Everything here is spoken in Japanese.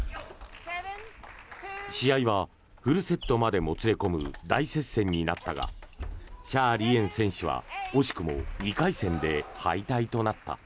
試合はフルセットまでもつれ込む大接戦になったがシャーリエン選手は惜しくも２回戦で敗退となった。